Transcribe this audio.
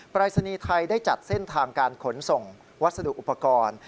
ปรายศนีย์ไทยได้จัดเส้นทางการขนส่งวัสดุอุปกรณ์